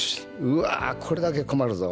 うわこれだけ困るぞ！